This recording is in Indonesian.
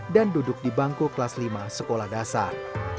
dan duduk di bangku kelas lima sekolah dasar